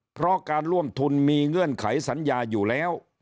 เพราะการร่วมทุนมีเงื่อนไขสัญญาอยู่แล้ว